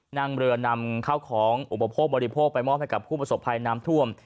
นั่งเรือนำเข้าของอุปโภคบริโภคไปมอบให้กับผู้ประสบภัยน้ำท่วม